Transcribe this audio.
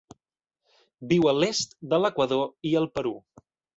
Viu a l'est de l'Equador i el Perú.